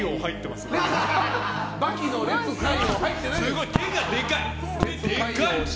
すごい、手がでかい。